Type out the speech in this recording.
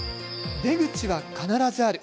出口は必ずある。